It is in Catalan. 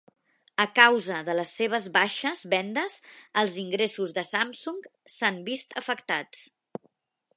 A causa de les seves baixes vendes els ingressos de Samsung s'han vist afectats.